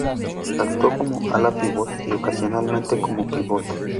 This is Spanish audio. Actuó como ala-pívot y ocasionalmente como pívot.